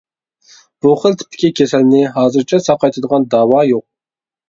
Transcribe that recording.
بۇ خىل تىپتىكى كېسەلنى ھازىرچە ساقايتىدىغان داۋا يوق.